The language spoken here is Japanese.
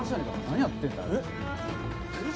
何やってんだよ！